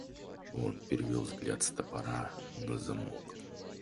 Он перевел взгляд с топора на замок.